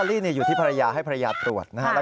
ลอตเตอรี่เนี่ยอยู่ที่ภรรยาให้ภรรยาตรวจนะฮะ